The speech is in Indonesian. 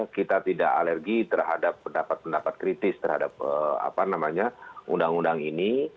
kita tidak alergi terhadap pendapat pendapat kritis terhadap undang undang ini